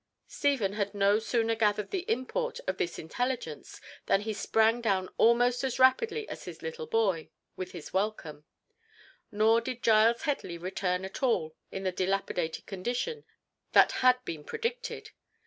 Stephen had no sooner gathered the import of this intelligence than he sprang down almost as rapidly as his little boy, with his welcome. Nor did Giles Headley return at all in the dilapidated condition that had been predicted.